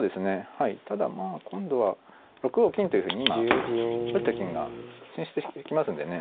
はいただまあ今度は６五金というふうに今打った金が進出してきますんでね。